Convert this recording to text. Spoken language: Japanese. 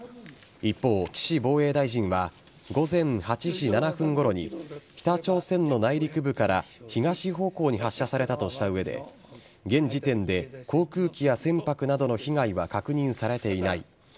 一方、岸防衛大臣は、午前８時７分ごろに、北朝鮮の内陸部から東方向に発射されたとしたうえで、現時点で航空機や、船舶などの被害は確認されていない。